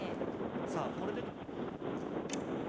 さあこれで。